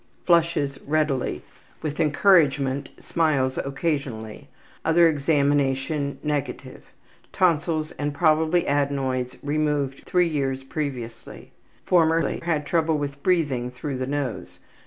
Flushes readily. With encouragement smiles occasionally. Other examination negative. Tonsils, and probably adenoids, removed three years previously; formerly had trouble with breathing through the nose.